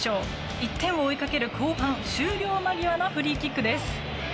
１点を追いかける後半終了間際のフリーキックです。